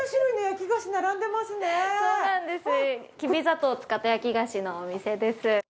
きび砂糖を使った焼き菓子のお店です。